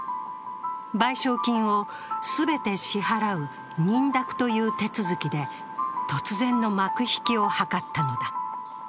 賠償金を全て支払う認諾という手続きで突然の幕引きを図ったのだ。